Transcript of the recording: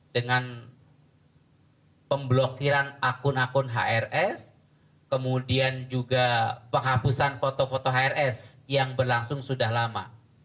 dengan pemblokiran akun akun hrs kemudian juga penghapusan foto foto hrs yang berlangsung sudah lama